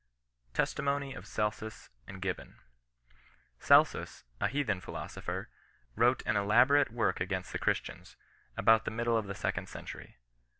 TESTIMONY OP CELSITS AND GIBBON. Celsus, a heathen philosopher, wrote an elaborate work against the Christians, about the middle of the second century.